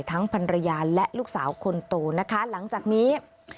ภรรยาและลูกสาวคนโตนะคะหลังจากนี้